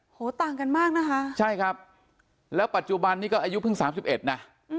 ต่างกันมากนะคะใช่ครับแล้วปัจจุบันนี้ก็อายุเพิ่ง๓๑นะ